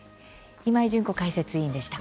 今井純子解説委員でした。